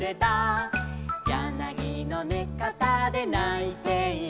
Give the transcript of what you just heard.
「やなぎのねかたでないている」